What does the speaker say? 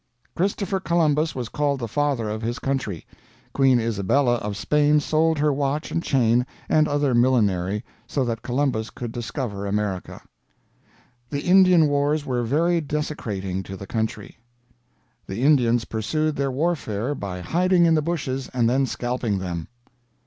"Christopher Columbus was called the father of his Country. Queen Isabella of Spain sold her watch and chain and other millinery so that Columbus could discover America. "The Indian wars were very desecrating to the country. "The Indians pursued their warfare by hiding in the bushes and then scalping them.